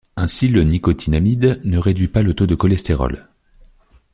Ainsi le nicotinamide ne réduit pas le taux de cholestérol.